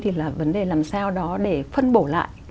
thì là vấn đề làm sao đó để phân bổ lại